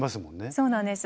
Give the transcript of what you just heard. そうなんです。